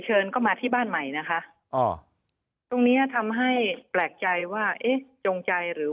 เชิญเข้ามาที่บ้านใหม่นะคะอ๋อตรงเนี้ยทำให้แปลกใจว่าเอ๊ะจงใจหรือ